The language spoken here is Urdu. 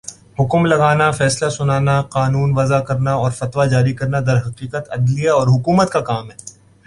حکم لگانا، فیصلہ سنانا، قانون وضع کرنا اورفتویٰ جاری کرنا درحقیقت، عدلیہ اور حکومت کا کام ہے